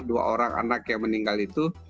dua orang anak yang meninggal itu